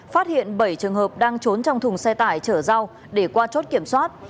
phát hiện bảy trường hợp đang trốn trong thùng xe tải trở giao để qua chốt kiểm soát